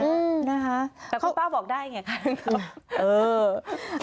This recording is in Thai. แต่คุณป้าบอกได้ไงค่ะ